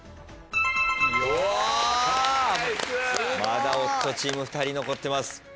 まだ夫チーム２人残ってます。